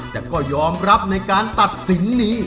แต่ก็ยอมรับในการตัดสินนี้